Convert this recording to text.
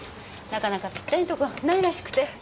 なかなかピッタリのとこないらしくて。